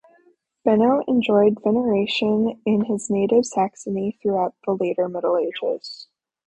Benno enjoyed veneration in his native Saxony throughout the later Middle Ages.